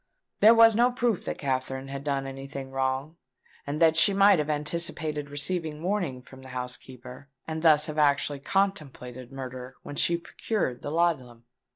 There was no proof that Katherine had done any thing wrong, and that she might have anticipated receiving warning from the housekeeper, and thus have actually contemplated murder when she procured the laudanum.